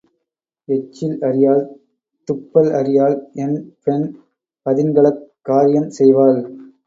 எச்சில் அறியாள், துப்பல் அறியாள் என் பெண் பதின்கலக் காரியம் செய்வாள்.